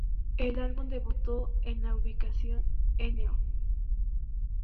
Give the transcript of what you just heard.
El álbum debutó en la ubicación No.